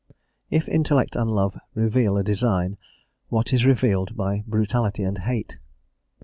If intellect and love reveal a design, what is revealed by brutality and hate?